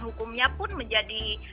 hukumnya pun menjadi